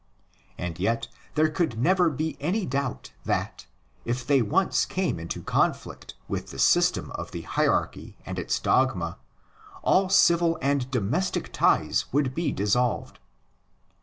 And yet there could never be any doubt that, if they once came into conflict with the system of the hierarchy and its dogma, all civil and domestic ties would be dissolved.